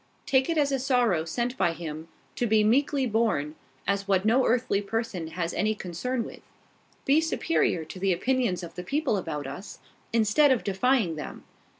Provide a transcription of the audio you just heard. Take it as a sorrow sent by Him, to be meekly borne, as what no earthly person has any concern with. Be superior to the opinions of the people about us, instead of defying them.